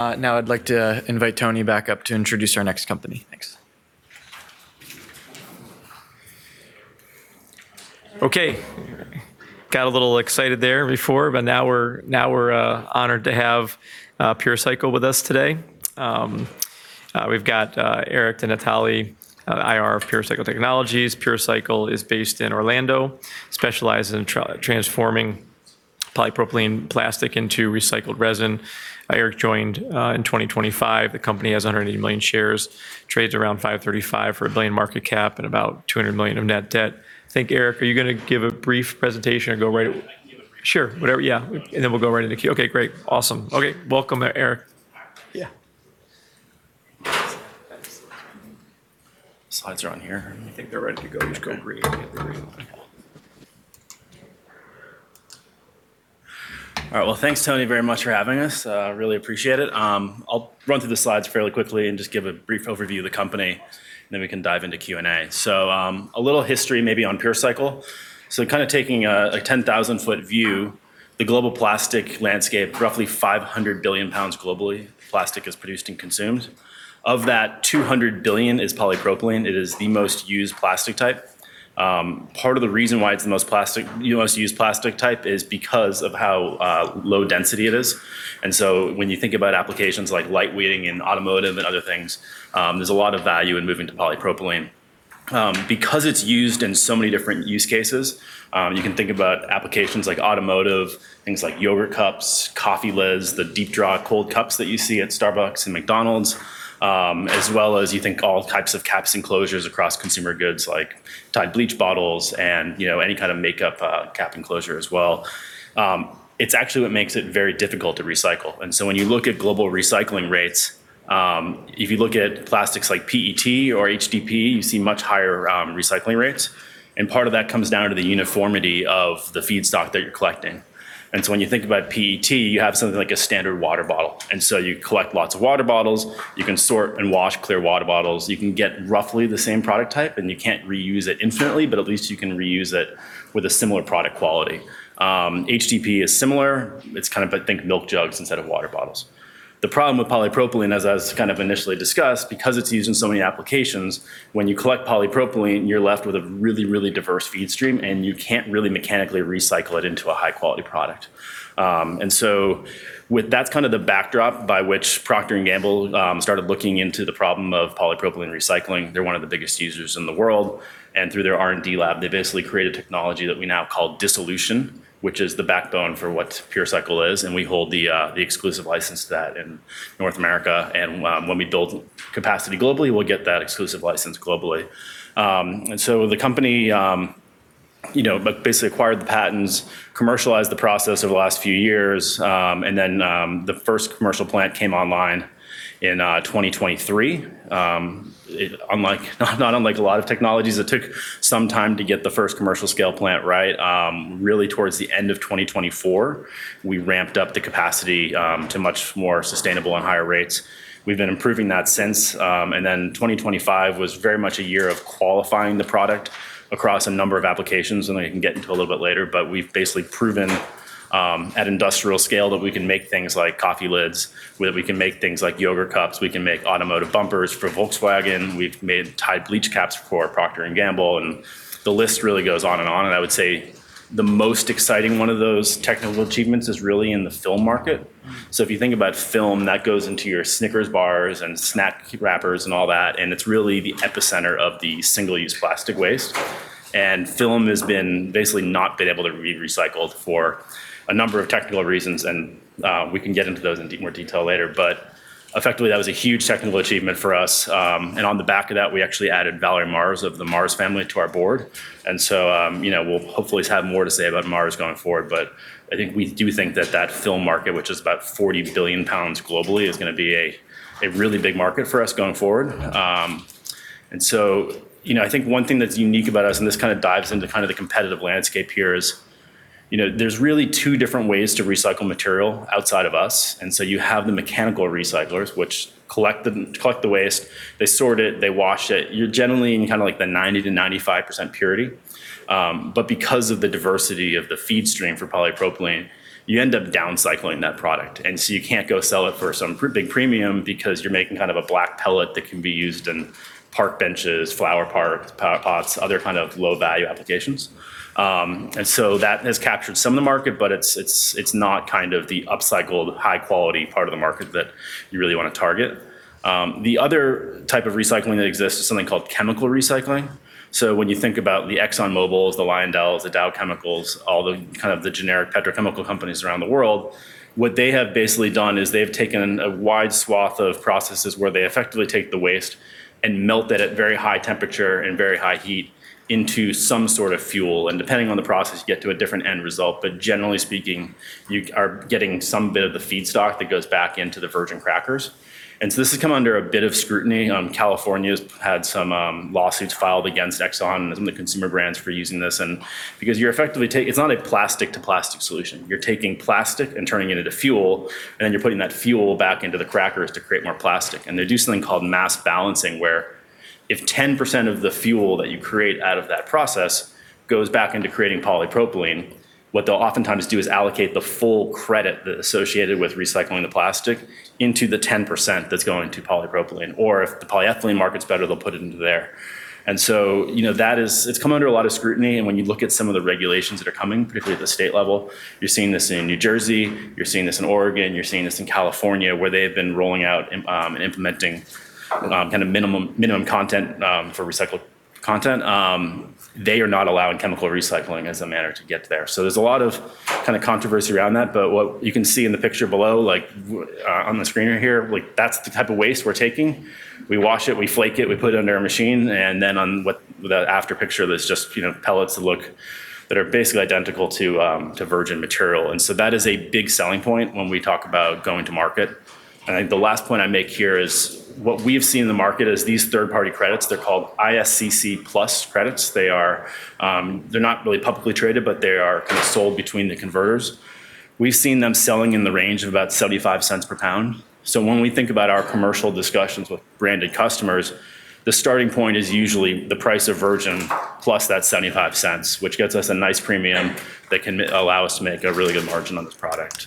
Now I'd like to invite Tony back up to introduce our next company. Thanks. Okay. Got a little excited there before, but now we're honored to have PureCycle with us today. We've got Eric DeNatale, IR of PureCycle Technologies. PureCycle is based in Orlando, specializes in transforming polypropylene plastic into recycled resin. Eric joined in 2025. The company has 180 million shares, trades around $5.35 for a $1 billion market cap and about $200 million of net debt. I think, Eric, are you going to give a brief presentation or go right- I can give a brief. Sure. Whatever, yeah. We'll go right into Q. Okay, great. Awesome. Okay. Welcome, Eric. Yeah. Slides are on here. I think they're ready to go. Just go green when you're ready. All right. Well, thanks, Tony, very much for having us. Really appreciate it. I'll run through the slides fairly quickly and just give a brief overview of the company, and then we can dive into Q&A. A little history maybe on PureCycle. Kind of taking a 10,000-foot view, the global plastic landscape, roughly 500 billion pounds globally plastic is produced and consumed. Of that, 200 billion is polypropylene. It is the most used plastic type. Part of the reason why it's the most used plastic type is because of how low density it is. When you think about applications like lightweighting in automotive and other things, there's a lot of value in moving to polypropylene. Because it's used in so many different use cases, you can think about applications like automotive, things like yogurt cups, coffee lids, the deep draw cold cups that you see at Starbucks and McDonald's, as well as you think all types of caps and closures across consumer goods like Tide bleach bottles and any kind of makeup cap enclosure as well. It's actually what makes it very difficult to recycle. When you look at global recycling rates, if you look at plastics like PET or HDPE, you see much higher recycling rates. Part of that comes down to the uniformity of the feedstock that you're collecting. When you think about PET, you have something like a standard water bottle. You collect lots of water bottles, you can sort and wash clear water bottles. You can get roughly the same product type, and you can't reuse it infinitely, but at least you can reuse it with a similar product quality. HDPE is similar. It's kind of, I think, milk jugs instead of water bottles. The problem with polypropylene, as I kind of initially discussed, because it's used in so many applications, when you collect polypropylene, you're left with a really, really diverse feed stream, and you can't really mechanically recycle it into a high-quality product. With that as kind of the backdrop by which Procter & Gamble started looking into the problem of polypropylene recycling. They're one of the biggest users in the world. Through their R&D lab, they basically created technology that we now call dissolution, which is the backbone for what PureCycle is, and we hold the exclusive license to that in North America. When we build capacity globally, we'll get that exclusive license globally. The company basically acquired the patents, commercialized the process over the last few years, and then the first commercial plant came online in 2023. Not unlike a lot of technologies, it took some time to get the first commercial scale plant right. Really towards the end of 2024, we ramped up the capacity to much more sustainable and higher rates. We've been improving that since. 2025 was very much a year of qualifying the product across a number of applications. I can get into a little bit later, but we've basically proven at industrial scale that we can make things like coffee lids, we can make things like yogurt cups, we can make automotive bumpers for Volkswagen. We've made Tide bleach caps for Procter & Gamble, and the list really goes on and on. I would say the most exciting one of those technical achievements is really in the film market. If you think about film, that goes into your Snickers bars and snack wrappers and all that, and it's really the epicenter of the single-use plastic waste. Film has been basically not able to be recycled for a number of technical reasons, and we can get into those in more detail later. Effectively, that was a huge technical achievement for us. On the back of that, we actually added Valerie Mars of the Mars family to our board. We'll hopefully have more to say about Mars going forward, but I think we do think that that film market, which is about 40 billion pounds globally, is going to be a really big market for us going forward. I think one thing that's unique about us, and this kind of dives into kind of the competitive landscape here, is there's really two different ways to recycle material outside of us. You have the mechanical recyclers, which collect the waste, they sort it, they wash it. You're generally in kind of like the 90%-95% purity. Because of the diversity of the feed stream for polypropylene, you end up downcycling that product. You can't go sell it for some big premium because you're making kind of a black pellet that can be used in park benches, flower pots, other kind of low-value applications. That has captured some of the market, but it's not kind of the upcycled high-quality part of the market that you really want to target. The other type of recycling that exists is something called chemical recycling. When you think about the ExxonMobils, the LyondellBasell, the Dow Chemicals, all the kind of the generic petrochemical companies around the world, what they have basically done is they've taken a wide swath of processes where they effectively take the waste and melt that at very high temperature and very high heat into some sort of fuel. Depending on the process, you get to a different end result. Generally speaking, you are getting some bit of the feedstock that goes back into the virgin crackers. This has come under a bit of scrutiny. California's had some lawsuits filed against Exxon and some of the consumer brands for using this, and because you're effectively. It's not a plastic-to-plastic solution. You're taking plastic and turning it into fuel, and then you're putting that fuel back into the crackers to create more plastic. They do something called mass balance, where if 10% of the fuel that you create out of that process goes back into creating polypropylene, what they'll oftentimes do is allocate the full credit associated with recycling the plastic into the 10% that's going to polypropylene. Or if the polyethylene market's better, they'll put it into there. It's come under a lot of scrutiny, and when you look at some of the regulations that are coming, particularly at the state level, you're seeing this in New Jersey, you're seeing this in Oregon, you're seeing this in California, where they have been rolling out and implementing minimum content for recycled content. They are not allowing chemical recycling as a manner to get there. There's a lot of controversy around that, but what you can see in the picture below, on the screen right here, that's the type of waste we're taking. We wash it, we flake it, we put it under a machine, and then on the after picture, that's just pellets that are basically identical to virgin material. That is a big selling point when we talk about going to market. I think the last point I'd make here is what we've seen in the market is these third-party credits. They're called ISCC PLUS credits. They're not really publicly traded, but they are sold between the converters. We've seen them selling in the range of about $0.75 per pound. When we think about our commercial discussions with branded customers, the starting point is usually the price of virgin plus that $0.75, which gets us a nice premium that can allow us to make a really good margin on this product.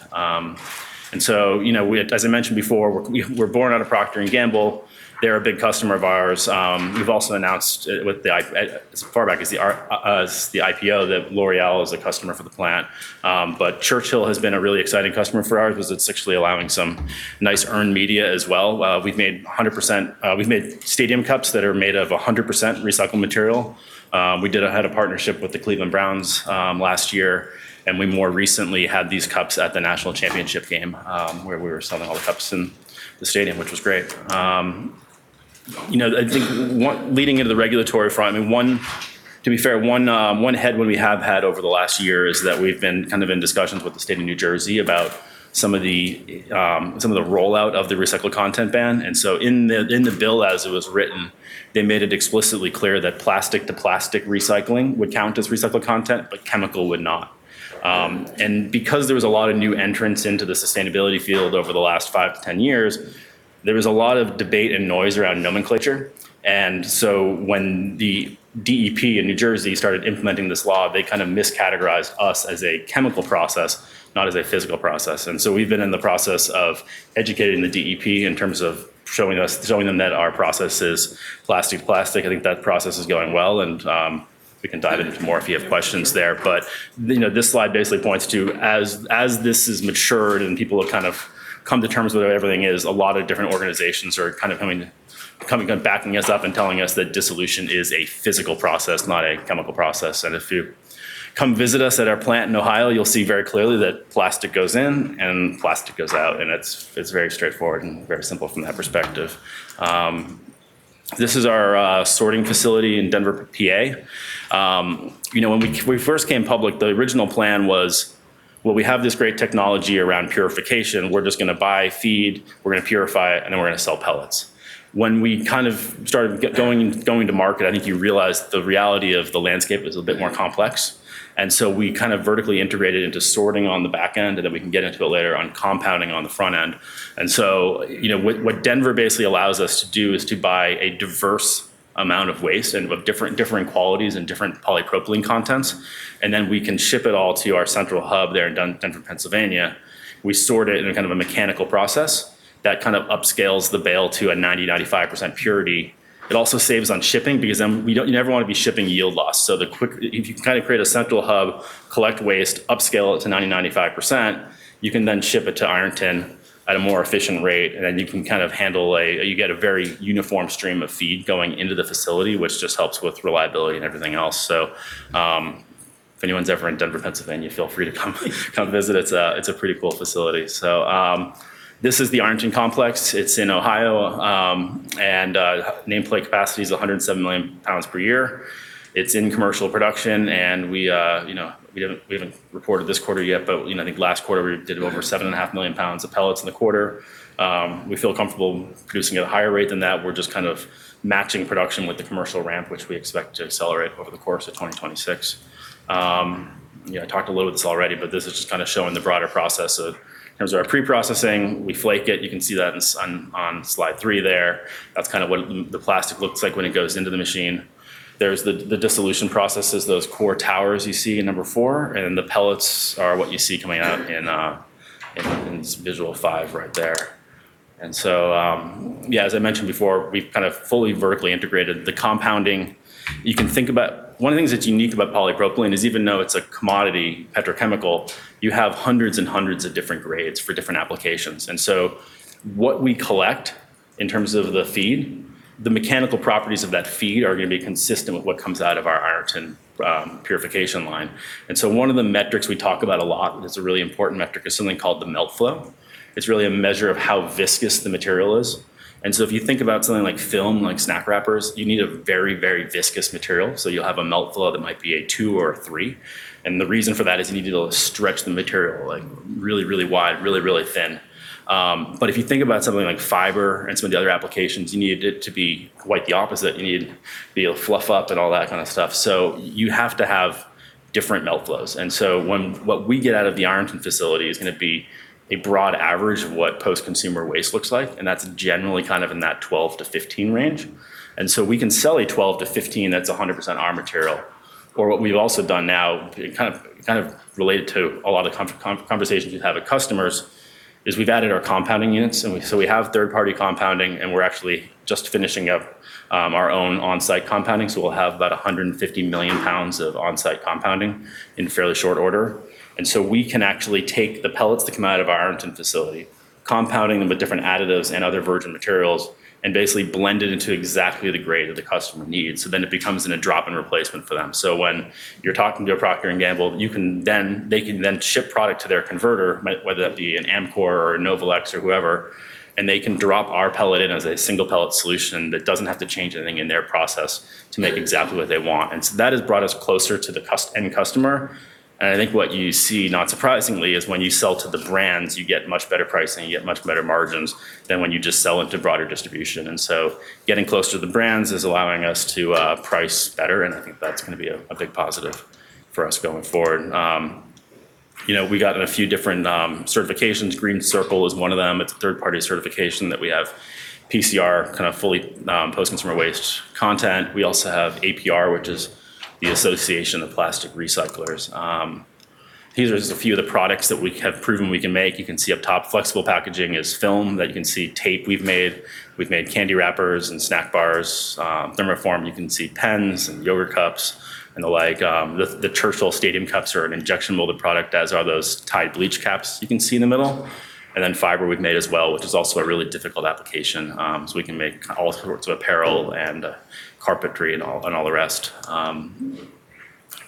As I mentioned before, we're born out of Procter & Gamble. They're a big customer of ours. We've also announced, as far back as the IPO, that L'Oréal is a customer for the plant. Churchill has been a really exciting customer for ours because it's actually allowing some nice earned media as well. We've made stadium cups that are made of 100% recycled material. We had a partnership with the Cleveland Browns last year, and we more recently had these cups at the National Championship game, where we were selling all the cups in the stadium, which was great. I think leading into the regulatory front, to be fair, one headwind we have had over the last year is that we've been in discussions with the state of New Jersey about some of the rollout of the recycled content ban. In the bill as it was written, they made it explicitly clear that plastic-to-plastic recycling would count as recycled content, but chemical would not. Because there was a lot of new entrants into the sustainability field over the last 5-10 years, there was a lot of debate and noise around nomenclature. When the DEP in New Jersey started implementing this law, they kind of miscategorized us as a chemical process, not as a physical process. We've been in the process of educating the DEP in terms of showing them that our process is plastic to plastic. I think that process is going well and we can dive into more if you have questions there. This slide basically points to as this has matured and people have come to terms with what everything is, a lot of different organizations are backing us up and telling us that dissolution is a physical process, not a chemical process. If you come visit us at our plant in Ohio, you'll see very clearly that plastic goes in and plastic goes out, and it's very straightforward and very simple from that perspective. This is our sorting facility in Denver, PA. When we first came public, the original plan was, well, we have this great technology around purification. We're just going to buy feed, we're going to purify it, and then we're going to sell pellets. When we started going to market, I think you realize the reality of the landscape is a bit more complex. We vertically integrated into sorting on the back end, and then we can get into it later on compounding on the front end. What Denver basically allows us to do is to buy a diverse amount of waste and with different qualities and different polypropylene contents, and then we can ship it all to our central hub there in Denver, Pennsylvania. We sort it in a mechanical process that upscales the bale to a 90%-95% purity. It also saves on shipping because you never want to be shipping yield loss. If you create a central hub, collect waste, upscale it to 90%, 95%, you can then ship it to Ironton at a more efficient rate. You get a very uniform stream of feed going into the facility, which just helps with reliability and everything else. If anyone's ever in Denver, Pennsylvania, feel free to come visit. It's a pretty cool facility. This is the Ironton Complex. It's in Ohio, and nameplate capacity is 107 million pounds per year. It's in commercial production, and we haven't reported this quarter yet, but I think last quarter, we did over 7.5 million pounds of pellets in the quarter. We feel comfortable producing at a higher rate than that. We're just matching production with the commercial ramp, which we expect to accelerate over the course of 2026. I talked a little bit about this already, but this is just showing the broader process of, in terms of our pre-processing, we flake it. You can see that on slide 3 there. That's what the plastic looks like when it goes into the machine. There's the dissolution processes, those core towers you see in number 4, and the pellets are what you see coming out in this visual 5 right there. As I mentioned before, we've fully vertically integrated the compounding. One of the things that's unique about polypropylene is even though it's a commodity petrochemical, you have hundreds and hundreds of different grades for different applications. What we collect in terms of the feed, the mechanical properties of that feed are going to be consistent with what comes out of our Ironton purification line. One of the metrics we talk about a lot, and it's a really important metric, is something called the melt flow. It's really a measure of how viscous the material is. If you think about something like film, like snack wrappers, you need a very, very viscous material. You'll have a melt flow that might be a 2 or a 3. The reason for that is you need to be able to stretch the material really, really wide, really, really thin. But if you think about something like fiber and some of the other applications, you need it to be quite the opposite. You need to be able to fluff up and all that kind of stuff. You have to have different melt flows. What we get out of the Ironton facility is going to be a broad average of what post-consumer waste looks like, and that's generally kind of in that 12-15 range. We can sell a 12-15 that's 100% our material. What we've also done now, kind of related to a lot of conversations we've had with customers, is we've added our compounding units. We have third-party compounding, and we're actually just finishing up our own on-site compounding. We'll have about 150 million pounds of on-site compounding in fairly short order. We can actually take the pellets that come out of our Ironton facility, compounding them with different additives and other virgin materials, and basically blend it into exactly the grade that the customer needs. It becomes a drop-in replacement for them. When you're talking to a Procter & Gamble, they can then ship product to their converter, whether that be an Amcor or a Novolex or whoever, and they can drop our pellet in as a single-pellet solution that doesn't have to change anything in their process to make exactly what they want. That has brought us closer to the end customer. I think what you see, not surprisingly, is when you sell to the brands, you get much better pricing, you get much better margins than when you just sell into broader distribution. Getting closer to the brands is allowing us to price better, and I think that's going to be a big positive for us going forward. We got a few different certifications. GreenCircle is one of them. It's a third-party certification that we have PCR, kind of fully post-consumer waste content. We also have APR, which is the Association of Plastic Recyclers. These are just a few of the products that we have proven we can make. You can see up top, flexible packaging is film. You can see tape we've made. We've made candy wrappers and snack bars. Thermoform, you can see pens and yogurt cups and the like. The Churchill stadium cups are an injection-molded product, as are those Tide bleach caps you can see in the middle. Fiber we've made as well, which is also a really difficult application. We can make all sorts of apparel and carpentry and all the rest.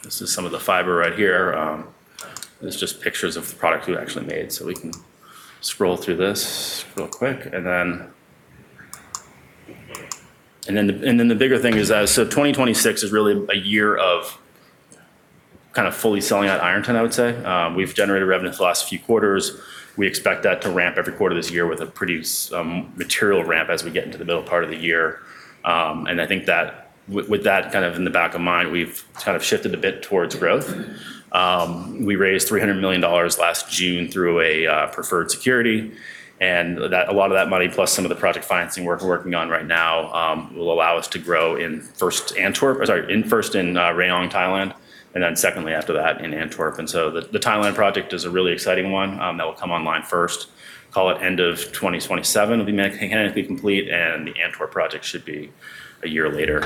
This is some of the fiber right here. This is just pictures of the product we actually made. We can scroll through this real quick. The bigger thing is that, so 2026 is really a year of kind of fully selling out Ironton, I would say. We've generated revenue for the last few quarters. We expect that to ramp every quarter this year with a pretty material ramp as we get into the middle part of the year. I think that with that kind of in the back of mind, we've kind of shifted a bit towards growth. We raised $300 million last June through a preferred security, and a lot of that money, plus some of the project financing work we're working on right now, will allow us to grow first in Rayong, Thailand, and then secondly after that in Antwerp. The Thailand project is a really exciting one that will come online first, call it end of 2027, it'll be mechanically complete, and the Antwerp project should be a year later.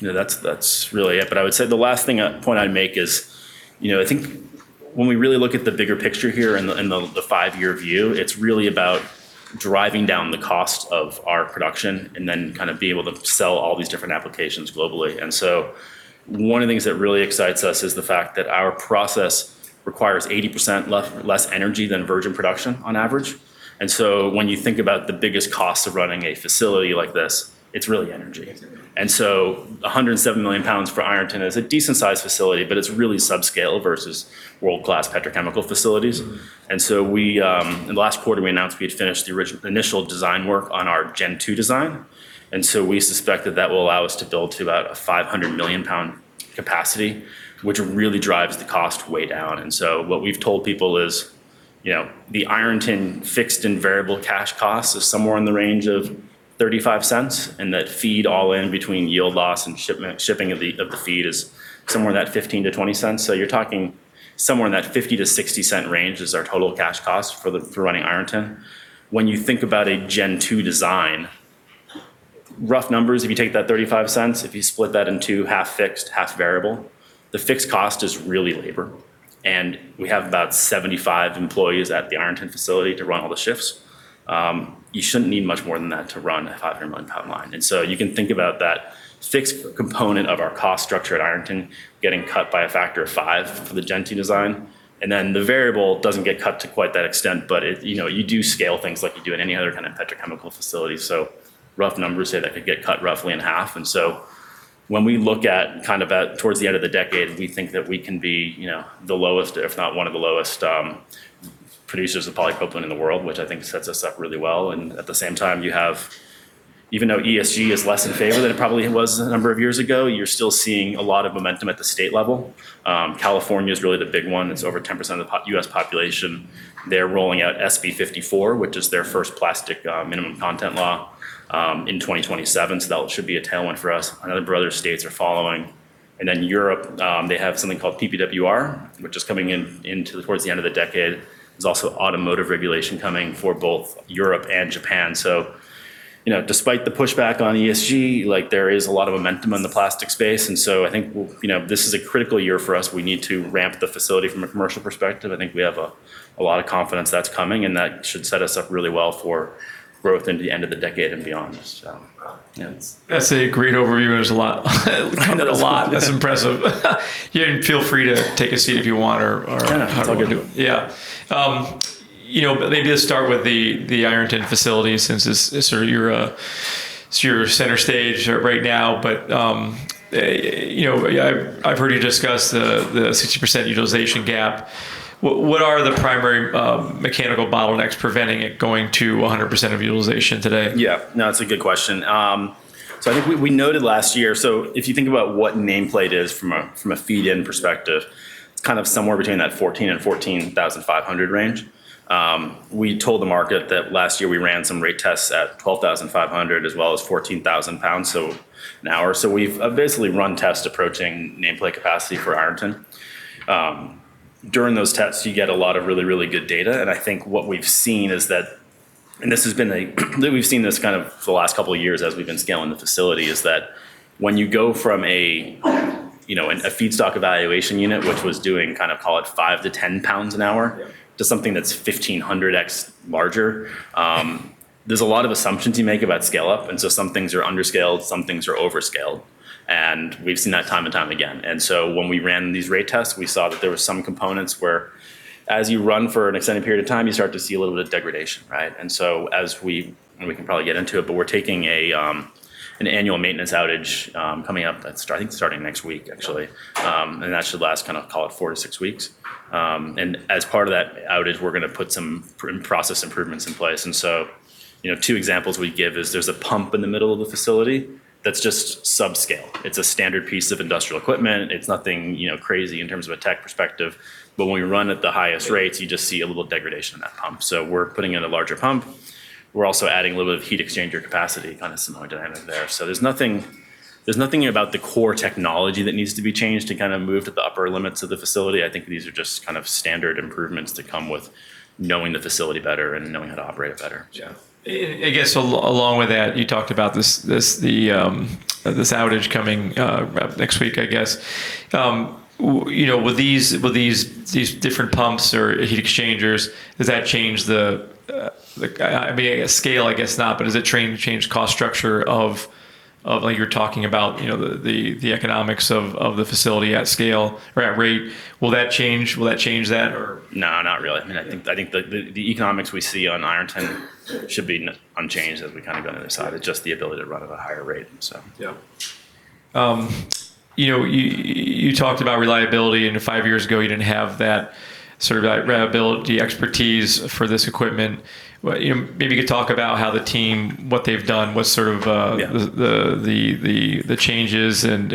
That's really it. I would say the last thing, point I'd make is I think when we really look at the bigger picture here in the five-year view, it's really about driving down the cost of our production and then kind of being able to sell all these different applications globally. One of the things that really excites us is the fact that our process requires 80% less energy than virgin production on average. When you think about the biggest cost of running a facility like this, it's really energy. 107 million pounds for Ironton is a decent-sized facility, but it's really subscale versus world-class petrochemical facilities. In the last quarter, we announced we had finished the initial design work on our Gen 2 design. We suspect that that will allow us to build to about a 500 million pound capacity, which really drives the cost way down. What we've told people is the Ironton fixed and variable cash cost is somewhere in the range of $0.35, and that feed all in between yield loss and shipping of the feed is somewhere in that $0.15-$0.20. You're talking somewhere in that $0.50-$0.60 range is our total cash cost for running Ironton. When you think about a Gen 2 design, rough numbers, if you take that $0.35, if you split that in two, half fixed, half variable, the fixed cost is really labor, and we have about 75 employees at the Ironton facility to run all the shifts. You shouldn't need much more than that to run a 500 million pound line. You can think about that fixed component of our cost structure at Ironton getting cut by a factor of five for the Gen 2 design. Then the variable doesn't get cut to quite that extent, but you do scale things like you do in any other kind of petrochemical facility. Rough numbers say that could get cut roughly in half. When we look at kind of towards the end of the decade, we think that we can be the lowest, if not one of the lowest, producers of polypropylene in the world, which I think sets us up really well. At the same time, even though ESG is less in favor than it probably was a number of years ago, you're still seeing a lot of momentum at the state level. California's really the big one. It's over 10% of the U.S. population. They're rolling out SB 54, which is their first plastic minimum content law, in 2027, so that should be a tailwind for us. A number of other states are following. Then Europe, they have something called PPWR, which is coming in towards the end of the decade. There's also automotive regulation coming for both Europe and Japan. Despite the pushback on ESG, there is a lot of momentum in the plastic space, and so I think this is a critical year for us. We need to ramp the facility from a commercial perspective. I think we have a lot of confidence that's coming, and that should set us up really well for growth into the end of the decade and beyond. Yeah. That's a great overview. There's a lot. Kind of a lot. That's impressive. Yeah, feel free to take a seat if you want or Yeah, that's all good. However you want. Yeah. Maybe just start with the Ironton facility since it's your center stage right now. I've heard you discuss the 60% utilization gap. What are the primary mechanical bottlenecks preventing it going to 100% of utilization today? Yeah, no, that's a good question. I think we noted last year, if you think about what nameplate is from a feed-in perspective, it's kind of somewhere between that 14,000-14,500 range. We told the market that last year we ran some rate tests at 12,500 as well as 14,000 pounds an hour. We've basically run tests approaching nameplate capacity for Ironton. During those tests, you get a lot of really good data, and I think what we've seen is that, and we've seen this kind of for the last couple of years as we've been scaling the facility, is that when you go from a feedstock evaluation unit, which was doing kind of call it 5-10 pounds an hour to something that's 1,500x larger, there's a lot of assumptions you make about scale up. Some things are under-scaled, some things are over-scaled. We've seen that time and time again. When we ran these rate tests, we saw that there were some components where as you run for an extended period of time, you start to see a little bit of degradation, right? As we, and we can probably get into it, but we're taking an annual maintenance outage coming up that's I think starting next week, actually, and that should last kind of call it 4-6 weeks. As part of that outage, we're going to put some process improvements in place. Two examples we give is there's a pump in the middle of the facility that's just subscale. It's a standard piece of industrial equipment. It's nothing crazy in terms of a tech perspective, but when we run at the highest rates, you just see a little degradation in that pump. We're putting in a larger pump. We're also adding a little bit of heat exchanger capacity, kind of similar dynamic there. There's nothing about the core technology that needs to be changed to kind of move to the upper limits of the facility. I think these are just kind of standard improvements to come with knowing the facility better and knowing how to operate it better. Yeah. I guess along with that, you talked about this outage coming next week, I guess. With these different pumps or heat exchangers, does that change, I mean, scale, I guess not, but does it change the cost structure of, like, you're talking about the economics of the facility at scale or at rate? Will that change that or? No, not really. I mean, I think the economics we see on Ironton should be unchanged as we kind of go to the side. It's just the ability to run at a higher rate. Yeah. You talked about reliability, and five years ago, you didn't have that sort of reliability expertise for this equipment. Maybe you could talk about how the team, what they've done, what sort of. Yeah the changes and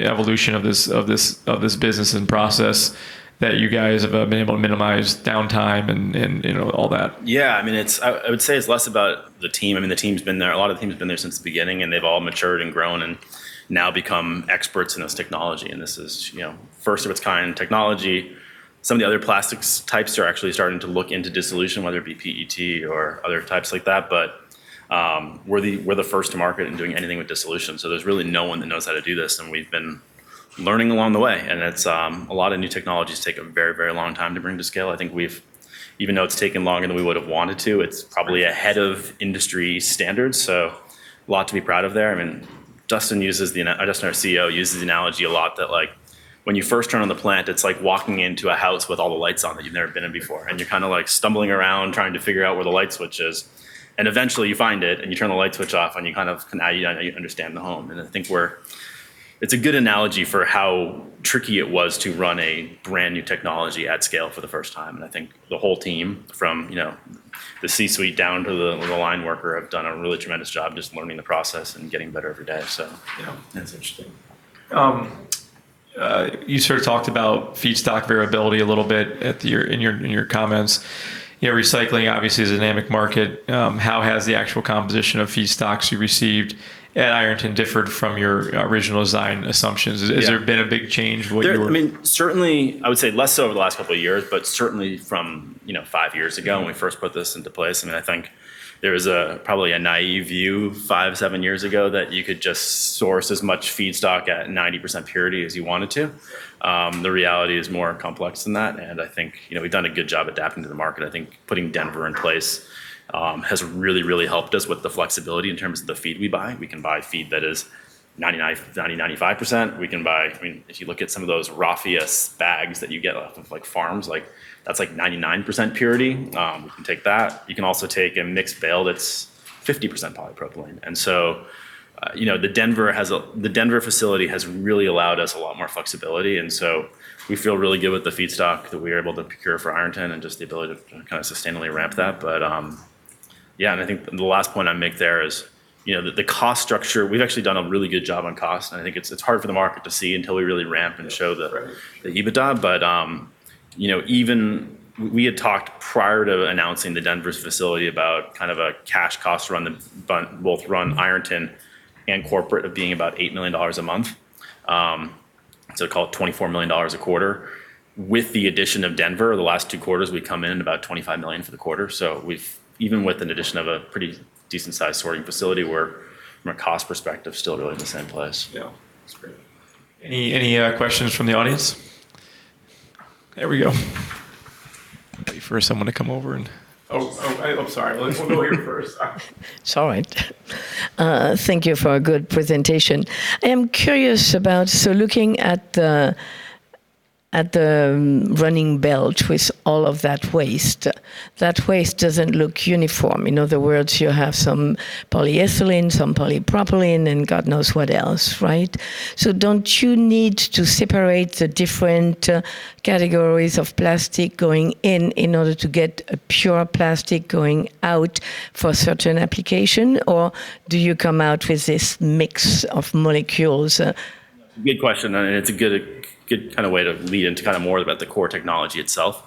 evolution of this business and process that you guys have been able to minimize downtime and all that. Yeah. I mean, I would say it's less about the team. I mean, the team's been there, a lot of the team's been there since the beginning, and they've all matured and grown and now become experts in this technology, and this is first of its kind technology. Some of the other plastics types are actually starting to look into dissolution, whether it be PET or other types like that. We're the first to market in doing anything with dissolution, so there's really no one that knows how to do this, and we've been learning along the way, and a lot of new technologies take a very long time to bring to scale. I think even though it's taken longer than we would've wanted to, it's probably ahead of industry standards, so a lot to be proud of there. I mean, Dustin, our CEO, uses the analogy a lot that when you first turn on the plant, it's like walking into a house with all the lights on that you've never been in before, and you're kind of stumbling around trying to figure out where the light switch is. Eventually you find it, and you turn the light switch off, and now you understand the home. I think it's a good analogy for how tricky it was to run a brand-new technology at scale for the first time, and I think the whole team from the C-suite down to the line worker have done a really tremendous job just learning the process and getting better every day. Yeah. That's interesting. You sort of talked about feedstock variability a little bit in your comments. Recycling obviously is a dynamic market. How has the actual composition of feedstocks you received at Ironton differed from your original design assumptions? Yeah. Has there been a big change from what you were? I mean, certainly I would say less so over the last couple of years, but certainly from 5 years ago when we first put this into place. I mean, I think there was probably a naive view 5, 7 years ago that you could just source as much feedstock at 90% purity as you wanted to. The reality is more complex than that, and I think we've done a good job adapting to the market. I think putting Denver in place has really helped us with the flexibility in terms of the feed we buy. We can buy feed that is 90, 95%. If you look at some of those raffia bags that you get off of farms, that's like 99% purity. We can take that. You can also take a mixed bale that's 50% polypropylene. The Denver facility has really allowed us a lot more flexibility, and so we feel really good with the feedstock that we are able to procure for Ironton and just the ability to kind of sustainably ramp that. Yeah, and I think the last point I'd make there is the cost structure. We've actually done a really good job on cost, and I think it's hard for the market to see until we really ramp and show the- Right the EBITDA. We had talked prior to announcing the Denver facility about kind of a cash cost run rate for both Ironton and corporate being about $8 million a month, so call it $24 million a quarter. With the addition of Denver, the last two quarters, we come in about $25 million for the quarter. Even with an addition of a pretty decent sized sorting facility, we're, from a cost perspective, still really in the same place. Yeah. That's great. Any questions from the audience? There we go. Wait for someone to come over. Oh, I'm sorry. We'll go here first. Sorry. It's all right. Thank you for a good presentation. I am curious about looking at the running belt with all of that waste. That waste doesn't look uniform. In other words, you have some polyethylene, some polypropylene, and God knows what else, right? Don't you need to separate the different categories of plastic going in in order to get a pure plastic going out for certain application, or do you come out with this mix of molecules? Good question, and it's a good way to lead into more about the core technology itself.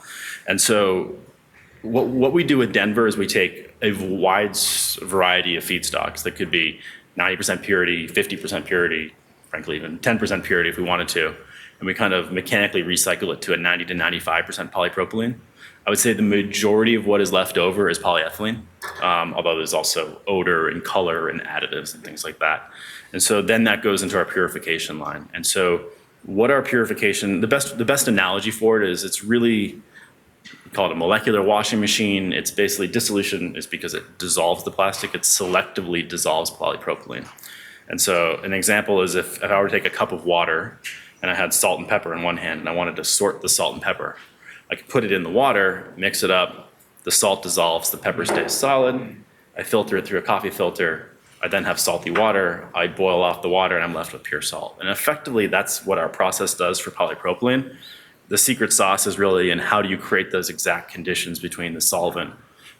What we do with Denver is we take a wide variety of feedstocks that could be 90% purity, 50% purity, frankly, even 10% purity if we wanted to, and we mechanically recycle it to a 90%-95% polypropylene. I would say the majority of what is left over is polyethylene, although there's also odor and color and additives and things like that. That goes into our purification line. What our purification. The best analogy for it is it's really, we call it a molecular washing machine. It's basically dissolution, it's because it dissolves the plastic. It selectively dissolves polypropylene. An example is if I were to take a cup of water and I had salt and pepper in one hand and I wanted to sort the salt and pepper. I could put it in the water, mix it up, the salt dissolves, the peppers stay solid. I filter it through a coffee filter. I then have salty water. I boil off the water, and I'm left with pure salt. Effectively, that's what our process does for polypropylene. The secret sauce is really in how do you create those exact conditions between the solvent,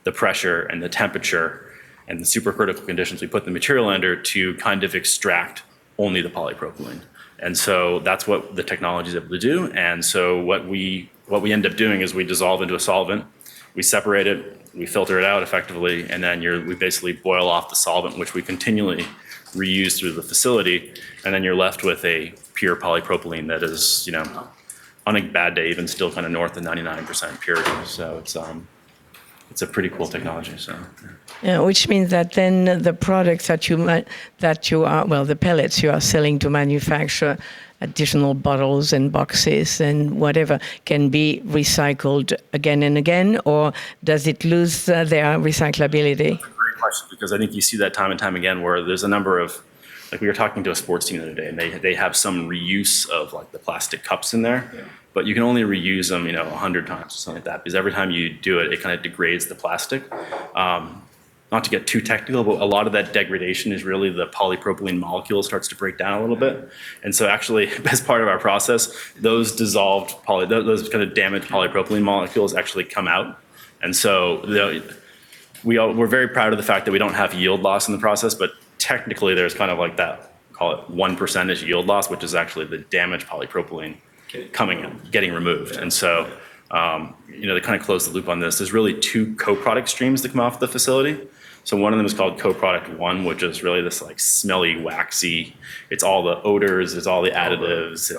the pressure, and the temperature, and the supercritical conditions we put the material under to extract only the polypropylene. That's what the technology is able to do. What we end up doing is we dissolve into a solvent, we separate it, we filter it out effectively, and then we basically boil off the solvent, which we continually reuse through the facility, and then you're left with a pure polypropylene that is, on a bad day, even still north of 99% purity. It's a pretty cool technology. Yeah, which means that then Well, the pellets you are selling to manufacture additional bottles and boxes and whatever can be recycled again and again, or does it lose their recyclability? That's a great question because I think you see that time and time again where there's a number of. We were talking to a sports team the other day, and they have some reuse of the plastic cups in there. Yeah. You can only reuse them 100 times or something like that, because every time you do it kind of degrades the plastic. Not to get too technical, but a lot of that degradation is really the polypropylene molecule starts to break down a little bit. Actually, as part of our process, those kind of damaged polypropylene molecules actually come out. We're very proud of the fact that we don't have yield loss in the process, but technically, there's kind of like that, call it 1% yield loss, which is actually the damaged polypropylene getting removed. To close the loop on this, there's really two co-product streams that come off the facility. One of them is called co-product one, which is really this smelly, waxy. It's all the odors, it's all the additives.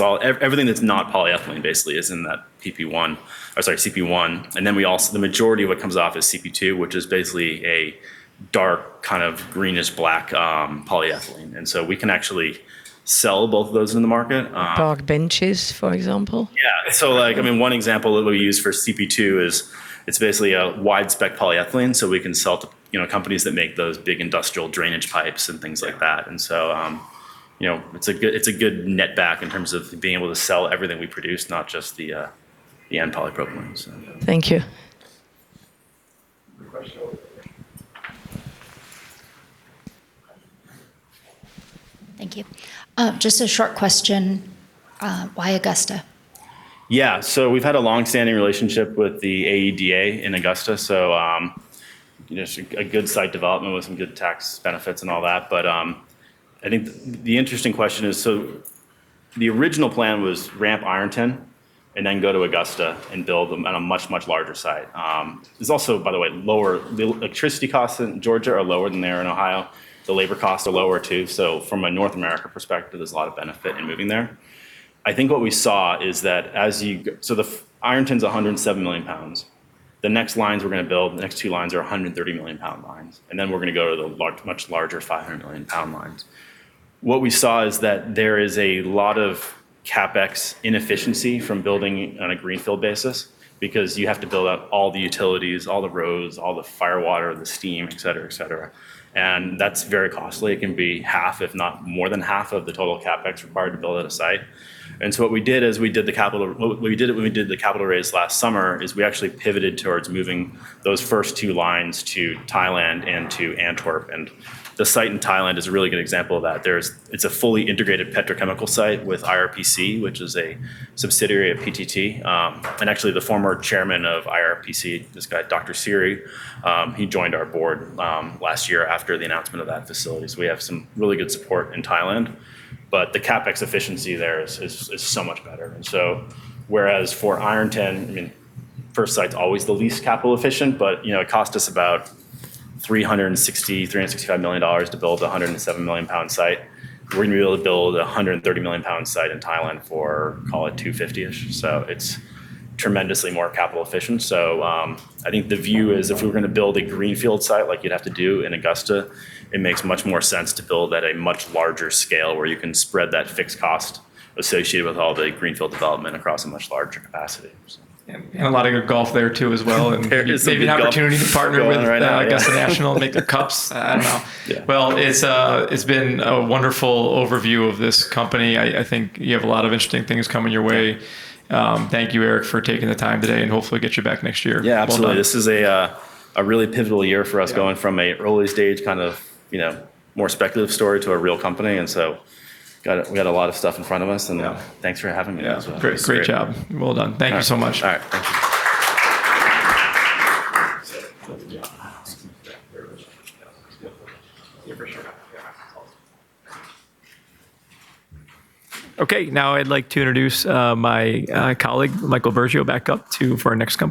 All the additives. Everything that's not polyethylene, basically, is in that PP-1, or sorry, CP-1. Then the majority of what comes off is CP-2, which is basically a dark, kind of greenish-black polyethylene. We can actually sell both of those in the market. Park benches, for example. Yeah. One example that we use for CP-2 is it's basically a wide-spec polyethylene, so we can sell to companies that make those big industrial drainage pipes and things like that. It's a good net back in terms of being able to sell everything we produce, not just the end polypropylene. Thank you. Question over there. Thank you. Just a short question. Why Augusta? Yeah. We've had a long-standing relationship with the AEDA in Augusta, so a good site development with some good tax benefits and all that. But I think the interesting question is, so the original plan was ramp Ironton and then go to Augusta and build on a much, much larger site. It's also, by the way. The electricity costs in Georgia are lower than they are in Ohio. The labor costs are lower, too. From a North America perspective, there's a lot of benefit in moving there. I think what we saw is that the Ironton's 107 million pounds. The next lines we're going to build, the next two lines are 130-million-pound lines, and then we're going to go to the much larger 500-million-pound lines. What we saw is that there is a lot of CapEx inefficiency from building on a greenfield basis because you have to build out all the utilities, all the roads, all the fire water, the steam, et cetera, et cetera. That's very costly. It can be half, if not more than half of the total CapEx required to build out a site. What we did when we did the capital raise last summer is we actually pivoted towards moving those first two lines to Thailand and to Antwerp. The site in Thailand is a really good example of that. It's a fully integrated petrochemical site with IRPC, which is a subsidiary of PTT. Actually, the former chairman of IRPC, this guy, Dr. Siri, he joined our board last year after the announcement of that facility. We have some really good support in Thailand, but the CapEx efficiency there is so much better. Whereas for Ironton, first site's always the least capital efficient, but it cost us about $360 million, $365 million to build a 107-million-pound site. We're going to be able to build a 130-million-pound site in Thailand for, call it 250-ish. It's tremendously more capital efficient. I think the view is if we were going to build a greenfield site like you'd have to do in Augusta, it makes much more sense to build at a much larger scale where you can spread that fixed cost associated with all the greenfield development across a much larger capacity. A lot of good golf there, too, as well. There is some good golf going on right now. Maybe an opportunity to partner with Augusta National, make the cups. I don't know. Yeah. Well, it's been a wonderful overview of this company. I think you have a lot of interesting things coming your way. Thank you, Eric, for taking the time today, and hopefully get you back next year. Yeah, absolutely. Well done. This is a really pivotal year for us. Yeah Going from an early stage, more speculative story to a real company, we got a lot of stuff in front of us. Thanks for having me. Yeah. Great job. Well done. Thank you so much. All right, thank you. Good job. Yeah. Very much. Yeah. Yeah, for sure. Yeah. Okay, now I'd like to introduce my colleague, Michael Virgilio, for our next company.